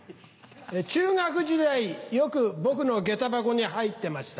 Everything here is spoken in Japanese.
中学時代よく僕のげた箱に入ってました。